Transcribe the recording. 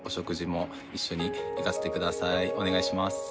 お願いします。